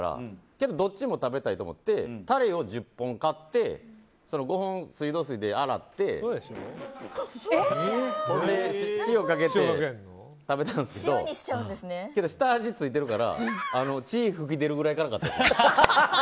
けど、どっちも食べたいと思ってタレを１０本買って５本、水道水で洗って塩かけて食べてたんですけどだけど下味ついてるから血噴き出るくらいからかったです。